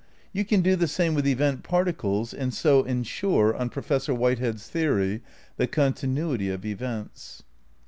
You can do the same with event particles and so ensure, on Professor Whitehead's theory, the continuity of events.